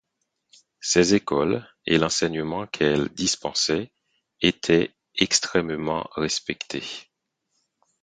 Ces écoles, et l'enseignement qu'elles dispensaient, étaient extrêmement respectées.